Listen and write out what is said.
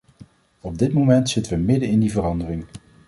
Op dit moment zitten we midden in die verandering.